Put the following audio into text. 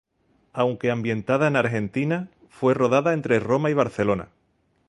Aunque ambientada en Argentina, fue rodada entre Roma y Barcelona.